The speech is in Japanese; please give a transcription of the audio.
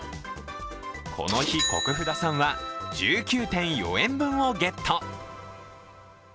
この日、國府田さんは１９．４円分をゲット。